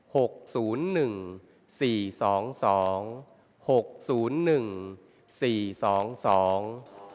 หกศูนย์หนึ่งสี่สองสองหกศูนย์หนึ่งสี่สองสอง